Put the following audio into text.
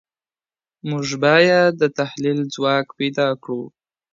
موږ بايد د تحليل ځواک پيدا کړو.